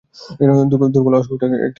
দুর্বল, অপুষ্ট একটি শিশুর জন্ম দিলাম।